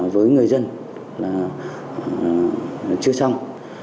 với người dân là chưa xong